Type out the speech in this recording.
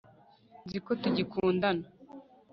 Nzi ko tugikundana